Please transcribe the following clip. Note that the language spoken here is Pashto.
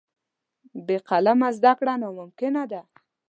بې قلمه زده کړه ناممکنه ده.